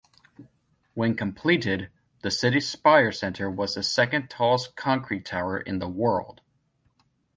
When completed, the CitySpire Center was the second tallest concrete tower in the world.